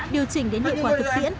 điều chỉnh đến hiệu quả thực tiễn